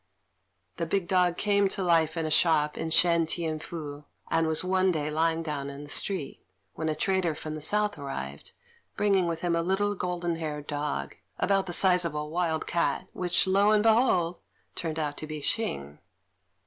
The big dog came to life in a shop in Shun t'ien Fu, and was one day lying down in the street, when a trader from the south arrived, bringing with him a little golden haired dog, about the size of a wild cat, which, lo and behold! turned out to be Hsing.